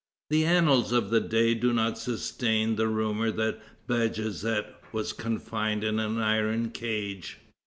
The annals of the day do not sustain the rumor that Bajazet was confined in an iron cage.